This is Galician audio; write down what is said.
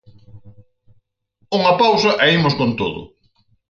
Unha pausa e imos con todo.